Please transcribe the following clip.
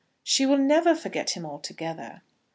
"She will never forget him altogether."